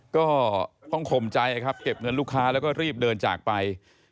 ก็ต้องข่มใจครับเก็บเงินลูกค้าแล้วก็รีบเดินจากไป